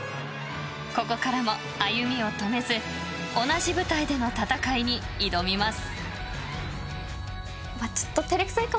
ここからも歩みを止めず同じ舞台での戦いに挑みます。